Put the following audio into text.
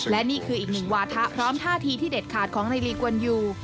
และนี่คืออีกหนึ่งวาทะพร้อมท่าทีที่เด็ดขาดของนายลีกวนอยู่